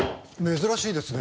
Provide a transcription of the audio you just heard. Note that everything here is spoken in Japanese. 珍しいですね。